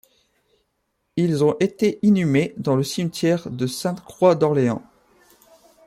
Ils ont été inhumés dans le cimetière de Sainte-Croix d'Orléans.